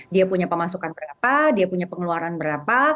dia punya pemasukan berapa dia punya pengeluaran berapa